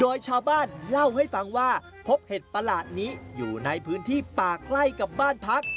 โดยชาวบ้านเล่าให้ฟังว่าพบเห็ดประหลาดนี้อยู่ในพื้นที่ป่าใกล้กับบ้านพัก